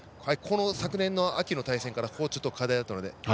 昨年の秋の対戦からここが課題だったので。